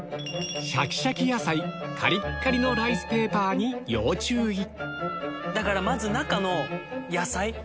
シャキシャキ野菜カリッカリのライスペーパーに要注意まず。